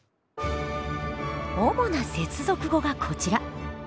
主な接続語がこちら。